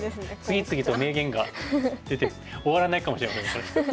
次々と名言が出て終わらないかもしれません。